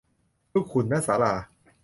ลูกขุน ณ ศาลา